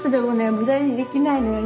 無駄にできないのよね。